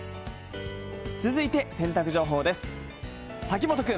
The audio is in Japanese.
続いて洗濯情報です。